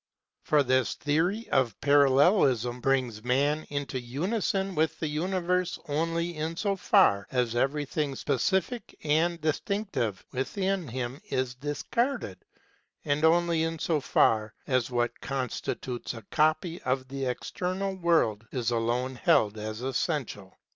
For this theory of Parallelism brings man into unison with the universe only in so far as everything specific and distinctive within him is discarded, and only in so far as what constitutes a copy of the external world is alone held as essential.